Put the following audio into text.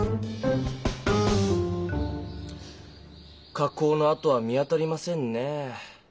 か工のあとは見当たりませんね。